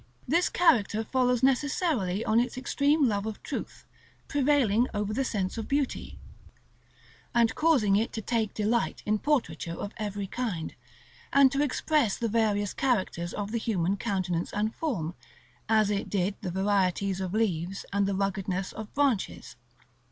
This character follows necessarily on its extreme love of truth, prevailing over the sense of beauty, and causing it to take delight in portraiture of every kind, and to express the various characters of the human countenance and form, as it did the varieties of leaves and the ruggedness of branches.